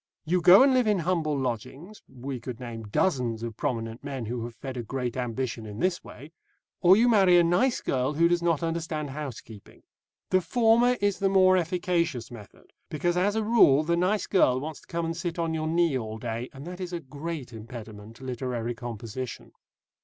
You go and live in humble lodgings, we could name dozens of prominent men who have fed a great ambition in this way, or you marry a nice girl who does not understand housekeeping. The former is the more efficacious method, because, as a rule, the nice girl wants to come and sit on your knee all day, and that is a great impediment to literary composition.